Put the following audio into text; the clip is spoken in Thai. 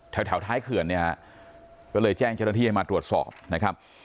แถวท้ายเขื่อนเนี่ยฮะก็เลยแจ้งเจ้าหน้าที่ให้มาตรวจสอบนะครับ